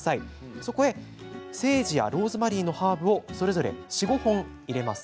そこへセージやローズマリーのハーブをそれぞれ４、５本入れます。